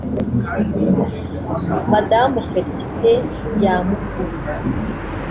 Madamu Félicité Lyamukuru